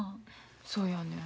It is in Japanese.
そうやねん。